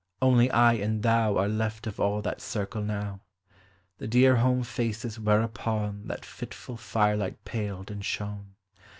only I and thou Are left of all that circle now, — The dear home faces whereupon That fitful firelight paled and shone.